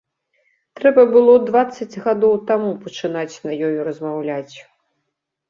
Трэба было дваццаць гадоў таму пачынаць на ёй размаўляць.